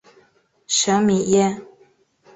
舍米耶。